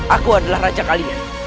aku adalah raja kalian